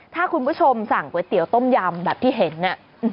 ถ้าคุณผู้ชมสั่งก๋วยเตี๋ยวต้มยำแบบที่เห็นน่ะ